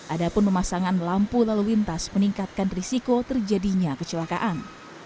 adapun memasangan lampu lalu lintas meningkatkan risiko terjadinya kecelakaan